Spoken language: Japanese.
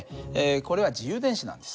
これは自由電子なんです。